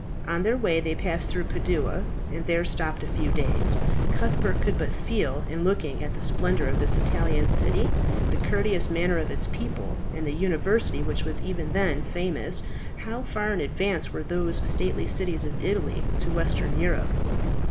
On their way they passed through Padua, and there stopped a few days. Cuthbert could but feel, in looking at the splendour of this Italian city, the courteous manner of its people, and the university which was even then famous, how far in advance were those stately cities of Italy to Western Europe.